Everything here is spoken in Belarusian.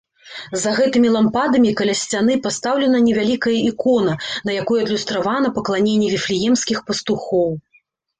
За гэтымі лампадамі, каля сцяны, пастаўлена невялікая ікона, на якой адлюстравана пакланенне віфлеемскіх пастухоў.